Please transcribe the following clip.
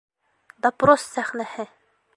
Допрос сәхнәһе!